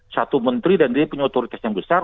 satu menteri dan dia punya otoritas yang besar